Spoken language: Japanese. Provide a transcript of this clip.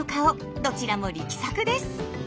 どちらも力作です。